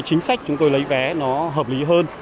chính sách chúng tôi lấy vé nó hợp lý hơn